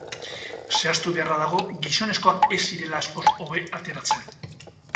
Zehaztu beharra dago gizonezkoak ez zirela askoz hobe ateratzen.